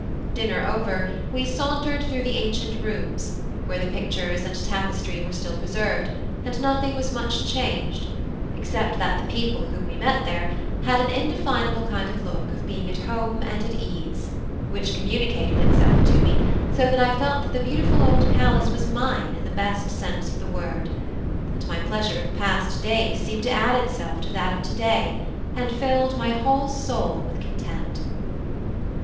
Dinner over, we sauntered through the ancient rooms, where the pictures and tapestry were still preserved, and nothing was much changed, except that the people whom we met there had an indefinable kind of look of being at home and at ease, which communicated itself to me, so that I felt that the beautiful old place was mine in the best sense of the word; and my pleasure of past days seemed to add itself to that of to day, and filled my whole soul with content.